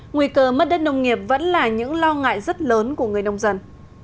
nguy cơ mất đất nông nghiệp vẫn là những lo ngại rất lớn của người nông dân